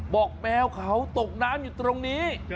แมวเขาตกน้ำอยู่ตรงนี้